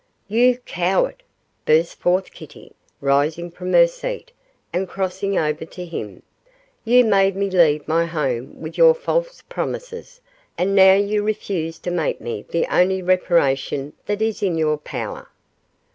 'You coward!' burst forth Kitty, rising from her seat, and crossing over to him; 'you made me leave my home with your false promises, and now you refuse to make me the only reparation that is in your power.